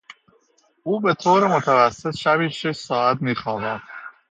او به طور متوسط شبی شش ساعت میخوابد.